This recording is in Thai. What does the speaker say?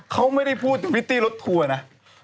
เขาไม่ได้พูดพริตตี้รถทัวร์นะ